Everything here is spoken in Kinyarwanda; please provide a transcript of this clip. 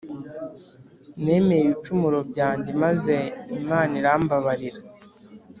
Nemeye ibicumuro byanjye maze Imana irambabarira